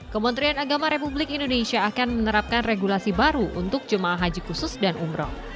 kementerian agama republik indonesia akan menerapkan regulasi baru untuk jemaah haji khusus dan umroh